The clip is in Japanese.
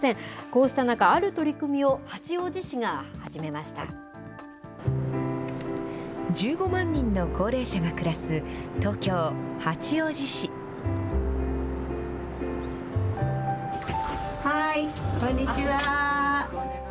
こうした中、ある取り組みを八王１５万人の高齢者が暮らす東こんにちは。